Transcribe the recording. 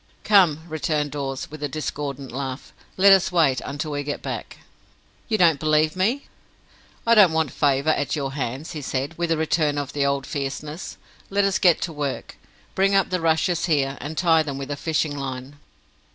"Come," returned Dawes, with a discordant laugh. "Let us wait until we get back." "You don't believe me?" "I don't want favour at your hands," he said, with a return of the old fierceness. "Let us get to work. Bring up the rushes here, and tie them with a fishing line."